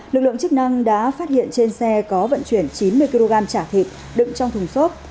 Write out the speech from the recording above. lực lượng chức năng đã phát hiện trên xe có vận chuyển chín mươi kg chả thịt đựng trong thùng xốp